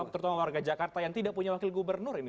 terutama warga jakarta yang tidak punya wakil gubernur ini